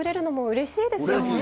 うれしいですよね。